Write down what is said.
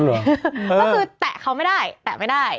ก็คือแตะเขาไม่ได้แตะไม่ได้